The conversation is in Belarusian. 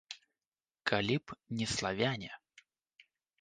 Калі б не славяне.